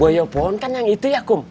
buaya pohon kan yang itu ya kum